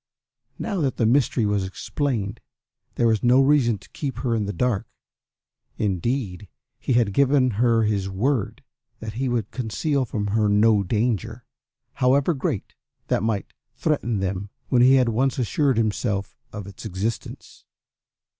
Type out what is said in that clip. Now that the mystery was explained there was no reason to keep her in the dark. Indeed, he had given her his word that he would conceal from her no danger, however great, that might threaten them when he had once assured himself of its existence.